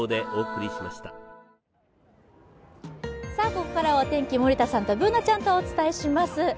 ここからはお天気、森田さんとＢｏｏｎａちゃんとお伝えします。